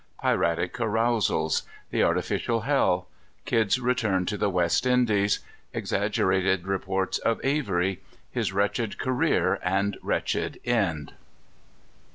Piratic Carousals. The Artificial Hell. Kidd's Return to the West Indies. Exaggerated Reports of Avery. His wretched Career, and wretched End.